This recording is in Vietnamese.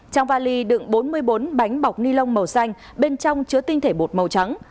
trong vali đựng bốn mươi bốn bánh bọc ni lông màu xanh bên trong chứa tinh thể bột màu trắng